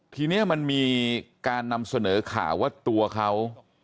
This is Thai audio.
ทีนี้มันมีการนำเสนอข่าวว่าตัวเขา